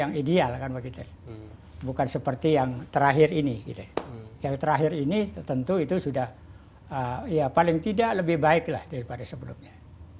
yang ideal kan begitu bukan seperti yang terakhir ini yang terakhir ini tentu itu sudah ya paling tidak lebih baik lah daripada sebelumnya